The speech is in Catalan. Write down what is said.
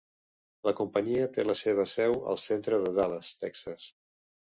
La companyia té la seva seu al centre de Dallas, Texas.